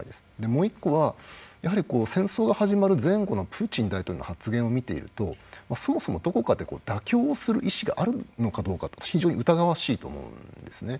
もう１個はやはり戦争が始まる前後のプーチン大統領の発言を見ているとそもそもどこかで妥協をする意思があるのかどうか非常に疑わしいと思うんですね。